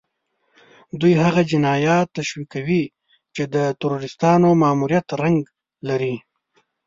دوی هغه جنايات تشويقوي چې د تروريستانو ماموريت رنګ لري.